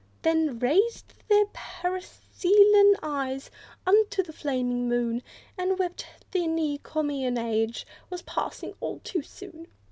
Then raised they paraseline eyes unto the flaming moon, And wept—the Neocomian Age was passing all too soon!